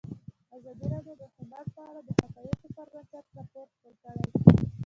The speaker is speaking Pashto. ازادي راډیو د هنر په اړه د حقایقو پر بنسټ راپور خپور کړی.